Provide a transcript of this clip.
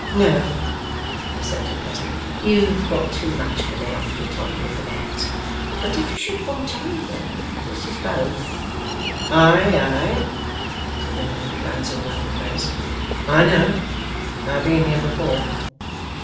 'No,' assented Pleasant, 'you've got too much of an outfit on you for that. But if you should want either, this is both.' 'Ay, ay!' said the man, glancing round the place. 'I know. I've been here before.